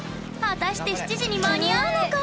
果たして７時に間に合うのか？